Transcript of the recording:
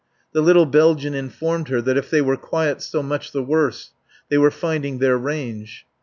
The little Belgian informed her that if they were quiet so much the worse. They were finding their range.